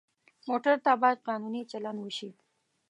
موټر ته باید قانوني چلند وشي.